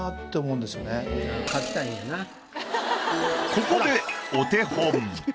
ここでお手本。